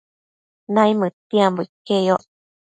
Naimëdtiambo iqueyoc